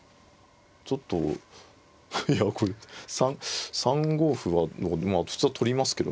ちょっといやこれ３五歩はまあ普通は取りますけどね。